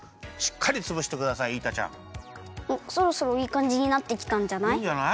そろそろいいかんじになってきたんじゃない？